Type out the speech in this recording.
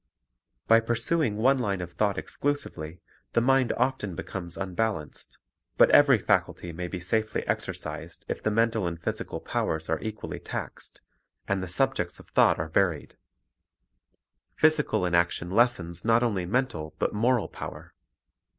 By pursuing one line of thought exclusively, the mind often becomes unbalanced. But every faculty may be safely exercised if the mental and physical powers are equally taxed, and the subjects of thought are varied. Physical inaction lessens not only mental but moral power.